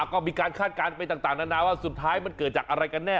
ก็มีการคาดการณ์ไปต่างนานาว่าสุดท้ายมันเกิดจากอะไรกันแน่